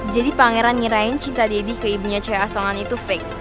jadi pangeran ngirain cinta deddy ke ibunya cewek asongan itu fake